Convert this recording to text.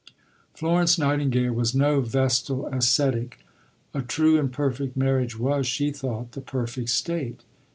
Florence Nightingale was no vestal ascetic. A true and perfect marriage was, she thought, the perfect state.